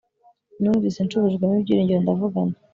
numvise nsubijwe mo ibyiringiro ndavuga nti